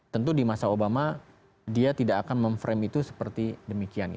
tentu di masa obama dia tidak akan memframe itu seperti demikian